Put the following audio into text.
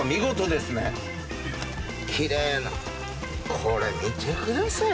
これ見てください。